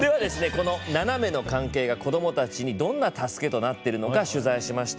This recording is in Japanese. このナナメの関係が子供たちにどんな助けとなってるのか取材しました。